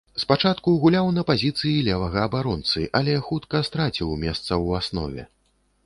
Спачатку гуляў на пазіцыі левага абаронцы, але хутка страціў месца ў аснове.